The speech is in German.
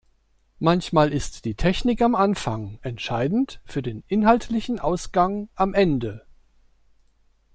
Manchmal ist die Technik am Anfang entscheidend für den inhaltlichen Ausgang am Ende.